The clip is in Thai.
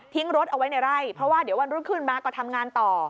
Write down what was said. รถเอาไว้ในไร่เพราะว่าเดี๋ยววันรุ่งขึ้นมาก็ทำงานต่อ